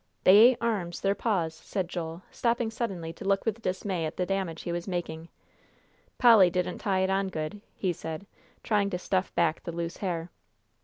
"They ain't arms. They're paws," said Joel, stopping suddenly to look with dismay at the damage he was making. "Polly didn't tie it on good," he said, trying to stuff back the loose hair.